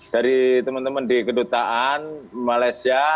dari teman teman di kedutaan malaysia